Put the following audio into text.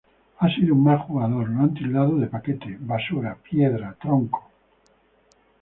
Ha sido un mal jugador lo han tildado de paquete, basura, piedra, tronco.